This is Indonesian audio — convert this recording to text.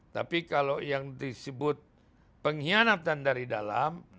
tapi kalau yang disebut pengkhianatan dari dalam